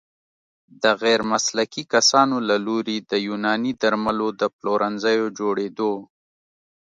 د غیرمسلکي کسانو له لوري د يوناني درملو د پلورنځيو جوړیدو